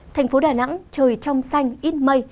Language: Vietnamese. thành phố đà nẵng trời trong xanh ít mây